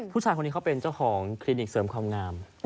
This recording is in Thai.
ผู้ชายคนนี้เขาเป็นเจ้าของคลินิกเสริมความงาม